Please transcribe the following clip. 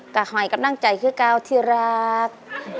กะห่อยกะนั่งใจคือเก่าที่รัก